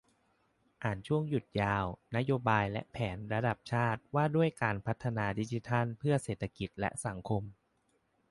อ่านช่วงหยุดยาว 'นโยบายและแผนระดับชาติ ว่าด้วยการพัฒนาดิจิทัลเพื่อเศรษฐกิจและสังคม'